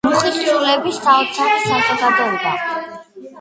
მუხის სულები, საოცარი საზოგადოება.